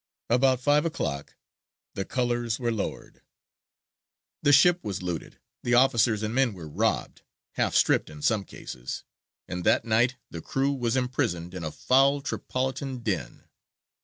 About five o'clock the colours were lowered." The ship was looted, the officers and men were robbed, half stripped in some cases, and that night the crew was imprisoned in a foul Tripolitan den.